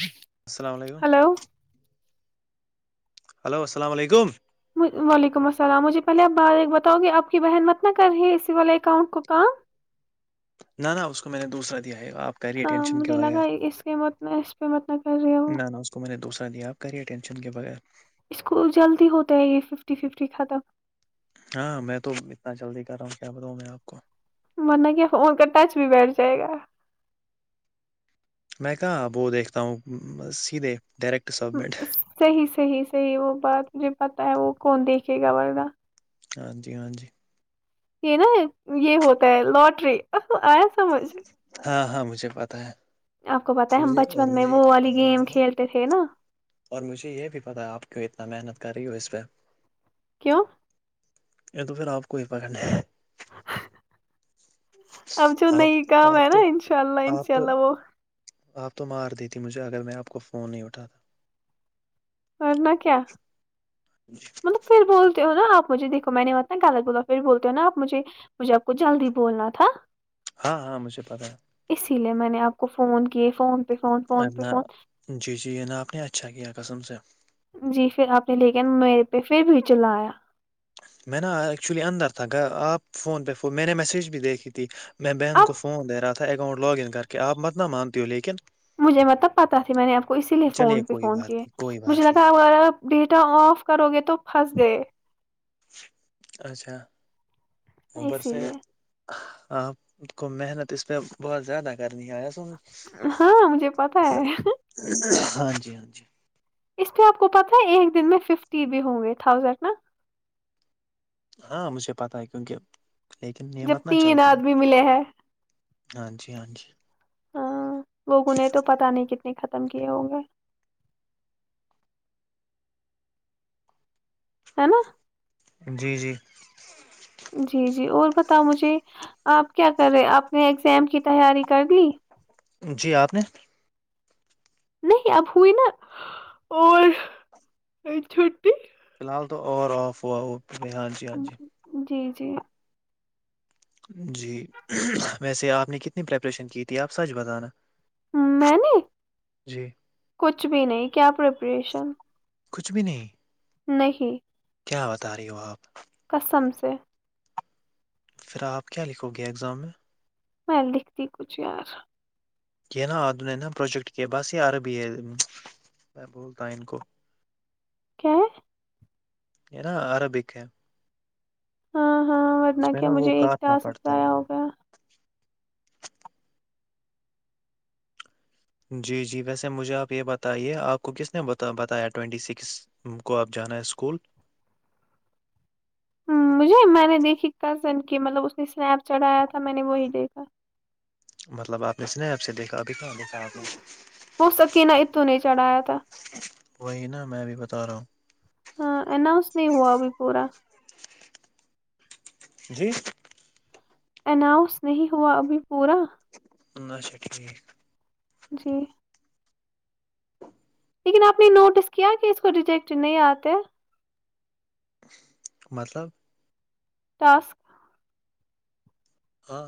جٹھ [unintelligible] السلام علیکم hello hello السلام علیکم وعلیکم السلام مجھے پہلے آپ بار ایک بتاؤ گے آپ کی بہن مت نہ کر رہی ہے ای والے اکاؤنٹ کو کام نہ نہ اس کو میں نے دوسرا دیا ہے گ آپ کو ہاں مجھے لگا اس قیمت میں اس قیمت نہ کر رہی وہ تو میں نے دوسرا دیا آپ کریے ٹینشن کے بغیر اس کو جلدی ہوتا ہے یہ ففٹی ففٹی ختم ہاں میں تو اتنا جلدی کر رہا ہوں کیا بتاؤں میں آپ کو مورہ کیا فون کا ٹچ بھی بیٹھ جائے گا میں کہاں وہ دیکھتا ہوں سیدھے ڈائریکٹ سبمٹ صحیح صحیح صحیح وہ بات مجھے پتا ہے وہ کون دیکھے گا ورگہ [unintelligible] ہاں جی ہاں جی یہ نا یہ ہوتا ہے لوٹری آیا سمجھ ہاں ہاں مجھے پتاہ ہے آپ کو پت ہے ہم مجھے اور بچپن میں مجھے وہ والی اور گیم مجھے نا کھیلتے تھے نا اور مجھے یہ بھی پتاہ آپ کی اتنا محنت کر رہی ہو اس پہ [unintelligible] کیوں [unintelligible] یہ تو پھر آپ کوئی پکڑ نہیں ہے اب جو آپ نئی کام آپ ہے نا تو انشاء اللہ آپ انشاء تو اللہ وہ [unintelligible] آپ تو مار دیتیھی مجھے اگر میں آپ کو فون نہیں اٹھاتا نہ کیا ج جی [unintelligible] مطلب پھر بولتے ہو نا آپجھے دیکو میں نے متا گالا گوا پھر بولتے ہو ناپ مجھے مجھے [unintelligible] کو جلدی بولنا تھا ہاں ہاں مجھے پتا ہے اسی لیے میں نے آپ کو فون کیے فون پہ فون فون پہ اپنا فون جی جی یہ نا آپ نے اچھا کیا قسم سے [unintelligible] جی پھر آپ نے لے کے میرے پہ پھر بھی چلایا میں نا ایکچولی اندر تھا آپ فون پہ میں نے میسج بھی دیکھی تھی میں بہن کو اب فون دے رہا تھا اکاؤنٹ لاگ ان کر کے آپ مت نہ مانتی ہو لیکن مجھے مطلب پتا تھاھی میں نے آپ کو اسی لیے فون چلیے پہ کوئی فون بات کیے نہیں کوئی مجھے بات نہیں لگا [unintelligible] بیٹا آف کرو گے تو پھنس دئے اچھا [unintelligible] اوپر اسی سے لیے آپ کو محنت اس پہ بہت زیادہ کرنی ہے س ہاں مجھے پتا ہے ہاں جی ہاں جی [unintelligible] اس پہ آپ کو پتہ ہے ایک دن میں ففٹی بھی ہوں گے تھاؤزینڈ نا ہاں مجھے پتا ہے کیونکہ لیکن جب نعمت نہ تین چلتی ہے آدمی ملے ہیں ہاں جی ہاں جی ہاں لوگوں نے تو پتا نہیں کتنے ختم کیے ہوں گے ہے نا [unintelligible] جی جی جی جی اور بتاؤ مجھے آپ کیا کر رہے آپ نے اگزام کی تیاری کر لی جی آپ نے [unintelligible] نہیں اب ہوئی نا اور چھٹی [unintelligible] فی الحال تو اور آف ہوا وہ ہاں ج جی ہاں جی [unintelligible] جی جی جی ویسے آپ نے کتنی پریپریشن کی تھی آپ سچ بتانا ہ میں نے [unintelligible] جی [unintelligible] کچھ بھی نہیں کیا پریپریشن [unintelligible] کچھ بھی نہیں [unintelligible] نہیں [unintelligible] کیا بتا رہی ہو آپ [unintelligible] قسم سے [unintelligible] پھر آپ کیا لکھو گے ایگزام میں میں دکھتی کچھ یار یہ نا آدن ہے نا پروجیکٹ کے بس یہ عرب ہی ہے میں بولتا ہ ان کو کیا یہ نا عربک ہے ہاں ہاں اس ورنہ میں کیا نا وہ مجھے ایک کاٹنا ٹاسک پڑتا ضائع ہے ہو گیا جی جی ویسے مجھے آپ یہ بتائیے آپ کو کس نے بتایا ٹوینٹی سکس ان کو آپ جانا ہے اسکول ہ مجھے میں نے دیکھی کزن کی مطلب اس نے اسنیپ چڑھایا تھا میں نے وہی دیکھا مطلب آپ نے اسنیپ سے دیکھا اباں دیکھا نے ہو سکے نہا اتوں نہیں چڑھایا تھا وہی نا میں بھی بتا رہا ہوں ہاں اناؤس نہیں ہوا ابھی پورا جی اناؤنس نہیں ہوا ابھی پورا چھا ٹھیک جی لیکن آپ نے نوٹس کیا کہ اس کو ریجیکٹ نہیں آتے مطلب ٹاسک ہاں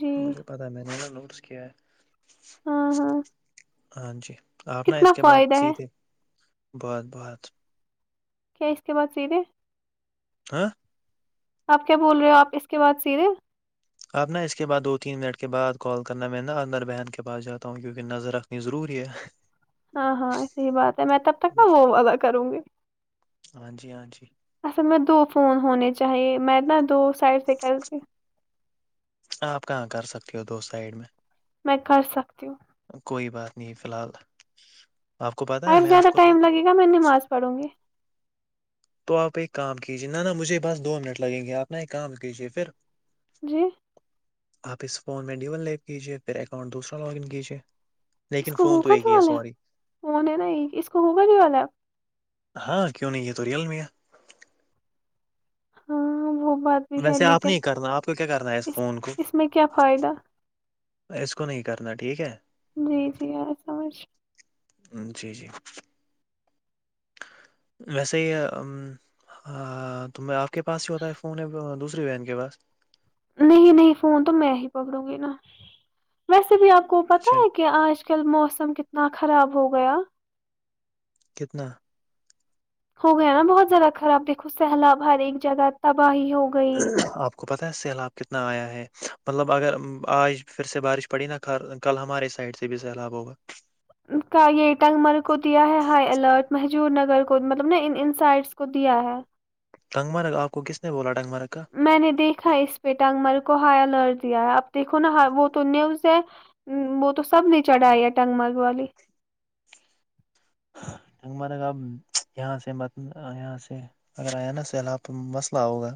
جی مجھے پتا ہے میں نے نا نوٹس کیا ہے ہاں ہاں ہاں جی آپ نا کتنا اس کے بعد فائدہ سی ہے تھے بہت بہت کیا اس کے بعد سیدھے ہاں آپ کیا بول رہے ہو آپ اس کے بعد سیدھے آپ نا اسس کے بعد دو تین منٹ کے بعد کال کرنا میں نا آدنر بہن کے پاس جاتا ہوں کیونکہ نظر رکھنی ضروری ہے ہاں ہاں صحی بات ہے میں تب تک نہ وہ ودہ کروں گی ہاں جی ہاں جی اصل میں دو فون ہونے چاہیے میں نا دو سائڈ سے کر کے آپ کہاں کر سکتے ہو دو سائڈ میں میں کر سکتی ہوں کوئی بات نہیں فی الحال آپ کو پتہ ہے میں آپ کو دےتا پڑوں گی تو آپ ایک کام کیجیے نہ نہ مجھے بس دو منٹ لگیں گے آپ ن ایک کام کیجیے پھر جی آپ اس فون میں ڈی وون لییک کیجے پھر اکاؤنٹ دوسرا لاگ ان کیجیے اس لیکن کو فون تو ہوگا ایک جو ہی ہے والا سوری فون ہے نا یہ اس کو ہوگل ہی والا ہےپ ہاں کیوں نہیں ہے تو ریئل مں ہاں بو بات بھی ہے ویسے آپ لیکن نہیں کرنا آپ کو کیا کرنا ہے اس فون کو اس میں کیا فائدہ اس کو نہیں کرنا ٹھیک ہے جی جی آ سمجھ جی جی [unintelligible] [inaudible] ویسے یہ ہاں تو آپ کے پاس ہی ہوتا ہے فون دوسری وین کے پاس نہیں نہیں فون تو میں ہی پکڑوں گی نا ویسے بھی آپ کو پتا اچھا ہے کہ آج آج کل موسم کتنا خراب ہو گیا کتنا ہو گیا نا بہت زیادہ خراب دیکھو سیلاب ہر ایک جگہ تباہی ہو گئی آپ کو پتا ہے سیلاب کتنا آیا ہے مطلب اگر آج پھر سے بارش پڑی نہ کل ہمارے سائڈ سے بھی سیلاب ہوگا کا یہ ٹنگ مر کو دیا ہے ہائی الرٹ مہجور نگر کو مطلب نا ان ان سائٹس کو دیا ہے ڈنگ مرگ آپ کو کس نے بولا ڈنگ مرگ کا میں نے دیکھا اس پہ ٹانگمل کو ہائی الرٹ دیا ہے اپ دیکھو نا وہ تو نیوز ہے وہ تو سب نے چڑھاائی ہے ٹنگ مگ والی نگ مارے گ ا یہاں سے م یہاں سے اگر آیا ن سلہ آپ مسئلہ ہوگا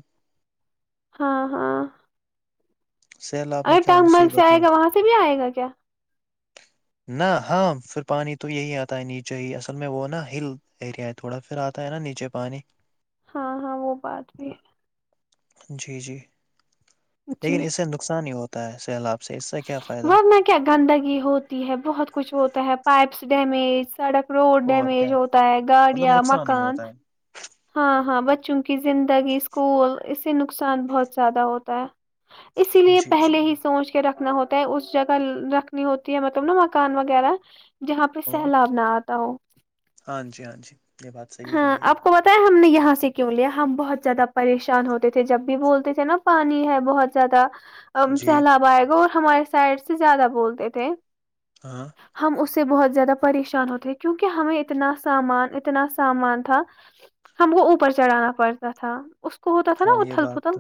ہاں ہاں سیلاب میں اگر کیا ٹانگ مل سے مصیبت ہی آئے گا اٹھ وہاں سے بھی آئے گا کیا نہ ہاں پھر پانی تو یہی آتا نہیں چاہیے اصل میں وہ نا ہل ایریا تھوڑا پھر آتا ہے نا نیچے پانی ہاں ہاں وہ بات بھی ہے جی جی لیکن جی اس سے نقصان ہی ہوتا ہے سیلاب سے اس سے کیا فائدہ ورنہ کیا گندگی ہوتی ہے بہت کچھ ہوتا ہے پائپس ڈیمیج سڑک روڈ اور کیا ڈیمیج ہوتا ہے مطلب گاڑیاں نقصان ہی مکان ہوتا ہے ہاں ہاں بچوں کی زندگی اسکول اس سے نقصان بہت زیادہ ہوتا ہے اسی لیے جی جی پہلے ہی سوچ کے رکھنا ہوتا اس جگہ رکھنی ہوتی ہے مطلب نا مکان وغیرہ جہاں پہ ہاں سیلاب نہ آتا ہو ہاں جی ہاں جی یہ بات صحیح ہاں کہی آپ کو نے ب ہم نے یہاں سے کیوں لیا ہم بہت زیادہ پریشان ہوتے تھے جب بھی بولتے تھے نا پانی ہے بہت زیادہ جی سیلاب آئے گا اور ہمارے سائڈ سے زیادہ بولتے تھے ہاں ہم اس سے بہت زیادہ پریشان ہوتے ہیں کیونکہ ہمیں اتنا سامان اتنا سامان تھا ہم کو اوپر چڑھانا پڑتا تھا اس کو ہوتا تھا نا اتھل پتل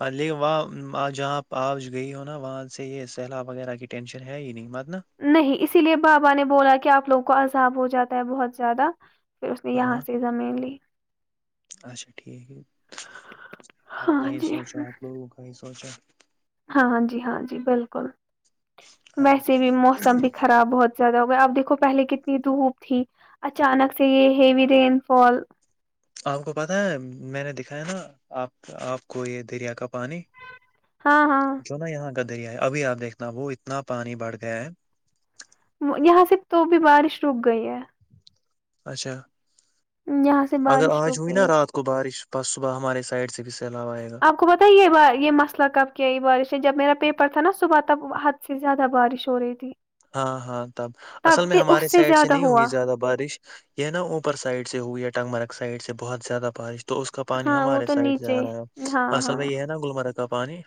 اور لیک وہاں آج جہاں آج گئی ہو نا وہاں سے یہ سیلاب وغیرہ کی ٹینشن ہے ہی نہیں متن نہیں اسی لیے بابا نے بولا کہ آپ لوگوں کو عذاب ہو جاتا ہے بہت زیادہ پھر اس نے ہاں یہاں سے زمین لی اچھا ٹھیک ہے آپ ہاں کہیں جی سوچو آپ لوگوں کو کہ سوچا ہاں ہاں جی ہاں جی بالکل ہاں جی ویسے بھی موسم بھی خراب بہت زیادہ ہو گیا اب دیکھو پہلے کتنی دھوپ تھی اچانک سے یہ ہیوی رین فال آپ کو پتاہ ہے میں نے دکھایا نا آپ آپ کو یہ دریا کا پانی ہاں ہاں جو نا یہاں کا دریا ہے ابھی آپ دیکھنا وہ اتنا پانی بڑھ گیا ہے یہاں سے تو بھی بارش رک گئی ہے اچھا یہاں سے اگر بارش آج رک ہوئی گئی نا ہے رات کو کو بارش بس صبح ہمارے سائڈ سے بھی سیلاب آئے گا آپ کو پتہ یہ یہ مسئلہ کب کیا یہ بارش ہے جب میرا پیپر تھا نا صبح تب حد سے زیادہ بارش ہو رہی تھی ہاں ہاں تب تب اصل میں تے- اس ہمارے سائڈ سے زیادہ نہیں ہوا ہوئی زیادہ بارش یہ نا اوپر سائڈ سے ہو یا ٹگ مرگ سائڈ سے بہت زیادہ بارش تو اس کا پانی ہاں وہ ہمارے تو سائڈ جا نیچے رہا ہے ہاں اصل ہاں بھائی ہے نا گلمرگ کا پانی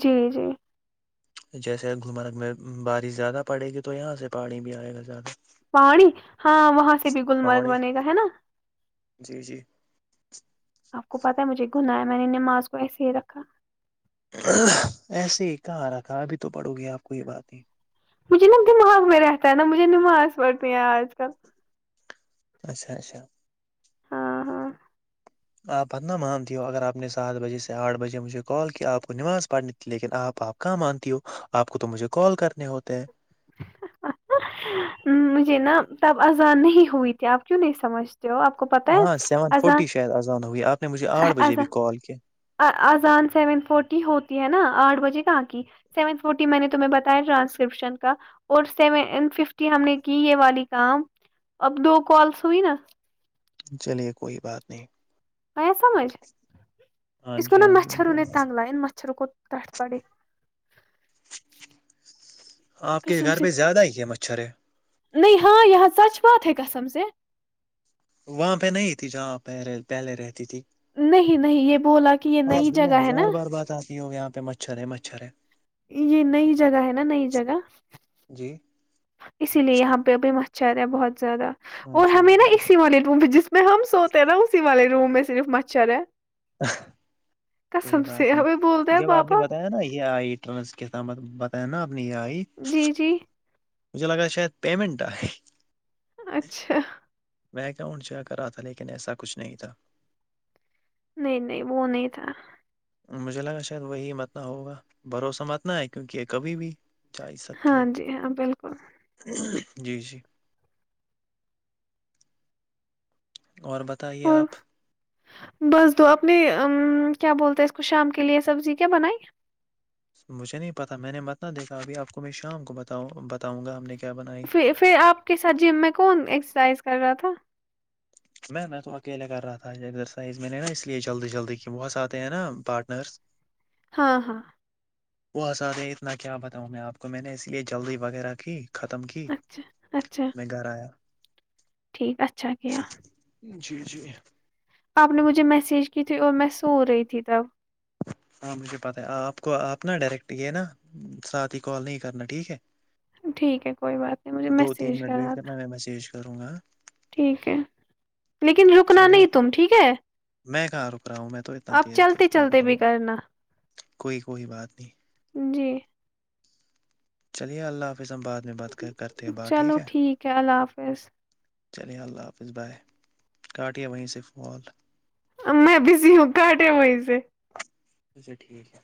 جی جی جیسے گمرگ میں بارش زیادہ پڑے گی تو یہاں سے پانی بھی آئے گا زیادہ پڑی ہاں وہاں سے بھی گلمرگ پانی بنے گا ہے نا جی جی آپ کو پتہ ہے مجھے گنا ہے میں نے نماز کو ایسے ہی رکھا ایسے ہی کہارا کہ بھی تو پڑو گی آپ کو یہ بات نہیں مجھے نا دماغ میں رہتا ہے نا مجھے نماز پڑھتی ہے آج کل اچھا اچھا ہاں ہاں آپ بدنا مانتی ہو اگر آپ نے سات بجے سے آٹھ بجے مجھے کال کیا آپ کو نماز پڑھ لیکن آپ آپ کا مانتی ہو آپ کو تو مجھے کال کرنے ہوتے ہیں [inaudible] مجھے نا تب آذان نہیں ہوئی تھی آپ کیوں نہیں سمجھتے ہو آپ کو پتا ہے ہاں سیون اذان فورٹی شاید ازان ہو گئی آپ نے مجھے آٹھ بجے بھی کال کیا ا اذان سیون فورٹی ہوتی ہے نا آٹھ بجے کہاں کی سیون فورٹی میں نے تمہ بیا ٹرانسرپشن کا اور سیون ففٹی ہم نے کی یہ والی کام اب دو کالس ہوئی نا چلیے کوئی بات نہیں میں سمجھ ہاں اس کو جی نا ہاں جی مجھے مچھروں آ نے رہا ہے۔ تنگ لا ان مچھروں کو کٹ پڑے آپ کے قسم گھر سے پہ زیادہ ہی کیا مچھر ہے نہیں ہاں یہاں چ بات ہے قسم سے وہاں پہ نہیں تھی جہاں پہے پہلے رہتی تھی نہیں نہیں یہ بولا کہ یہ آپ نئی میں جگہ ہے نا ہزار بار بات آتی ہ یہاں پہ مچھر ہے مچھر ہے یہ نئی جگہ ہے نا نئی جگہ جی اسی لیے یہاں پہ ابھی مچھر ہے بہت زیادہ ہاں اور جی ہاں ہمیں جی نا مجھے اسی والے جس میں ہم سوتے ہیں نا اسی والے روم میں صرف مچھر ہے کوئی بات نہیں جب آپ نے بتایا نا یہ آٹ تو کسامت بتیا نا اپنی یہ آئی جی جی مجھے لگان ہے شاید پیمنٹ آ ہے اچھا میںکاؤنٹ جا کر آا تھا لیکن ایسا کچھ نہیں تھا نہیں نہیں وہ نہیں تھا مجھے لگا شاید وہی متنا ہوگا بھروسہ متنا ہے کیونکہ یہ کبھی بھی چال ستی ہے جی جی اور بت [unintelligible] [inaudible] بس دو اپنی کیا بولتے ہیں اس کو شام کے لیے سبزی کیا بنائی مجھے نہیں پتا میں نے متنا دیکھا ابھی آپ کو میں شام کو بتا بتاؤں گا ہم نے کیا بنائی پھر پھر آپ کے ساتھ جم میں کون ایکسرسائز کر رہا تھا میں میں تو اکیلے کر رہا تھا ایکزرسائز میں نے نا اس لیے جلدی جلدی کی بہت آتے ہیں نا پارٹنرس ہاں ہاں وہ آزادے اتنا کیا بتاؤں میں آپ کو میں نے اس لیے جلدی وغیرہ کی ختم کی میں گھر آیا ٹھیک اچھا کیا جی جی آپ نے مجھے میسیج کی تھی اور میں سو رہی تھی تب ہاں مجھے پتہ ہے آپ کو آپ نا ڈائریکٹ یہ نا ساتھ ہی کال نہیں کرنا ٹھیک ہے ٹھیک ہے کوئی بات دو تین منٹ ویٹ کرنا ہے میں میسیج کروں گا ٹھیک ہے لیکن رکنا چلیے نہیں تم ٹھیک ہے میں کہاں رک رہا ہوں میں تو اتنا اب تیز چلتے تیز کیا چلتے بتاؤں بھی گا کرنا کوئی کوئی بات نہیں جی چلیے اللہ حافظ ہم بعد میں بات کرتے ہیں بار ٹھیک ہے چلیے اللہ حافظ بائے کاٹیا وہیں سے فال میں بزی ہوں گاٹ و سے اچھا ٹھیک ہے